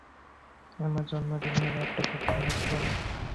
আমার জন্মদিনের রাতটা খুব ভালো ছিলনা।